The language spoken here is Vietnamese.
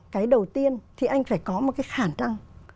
cái đầu tiên thì anh phải có một cái khả năng